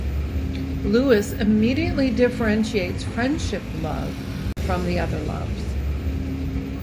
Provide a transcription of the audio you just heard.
Lewis immediately differentiates friendship love from the other loves.